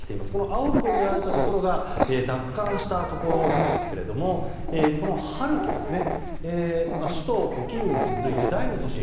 青く塗られたところが奪還したところなんですけどもハルキウですね首都キーウに続いて第２の都市